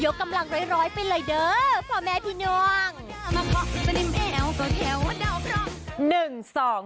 กำลังร้อยไปเลยเด้อพ่อแม่พี่น้อง